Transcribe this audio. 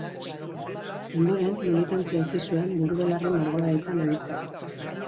Ondoren, militantzia utzi zuen buru-belarri margolaritzan aritzeko.